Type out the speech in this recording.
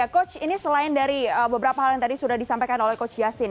coach ini selain dari beberapa hal yang tadi sudah disampaikan oleh coach justin